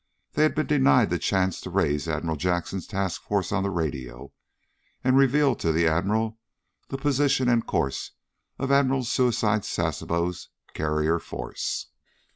They had been denied the chance to raise Admiral Jackson's task force on the radio and reveal to the Admiral the position and course of Admiral Suicide Sasebo's carrier force.